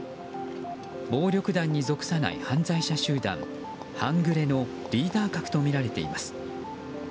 暴力団に属さない犯罪者集団半グレのリーダー格とみられています。